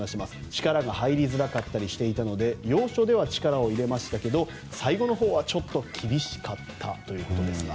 力が入りづらかったりしていたので要所では力を入れましたが最後のほうはちょっと厳しかったということですが。